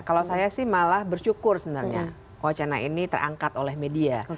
kalau saya sih malah bersyukur sebenarnya wacana ini terangkat oleh media